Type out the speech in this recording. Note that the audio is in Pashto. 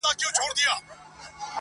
څو څو ځله کښته پورته وروسته وړاندي٫